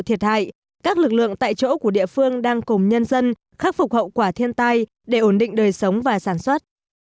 thiệt hại các lực lượng tại chỗ của địa phương đang cùng nhân dân khắc phục hậu quả thiên tai để ổn định đời sống và sản xuất